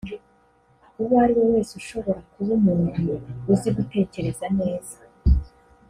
uwo uriwe wese ushobora kuba umuntu uzi gutekereza neza”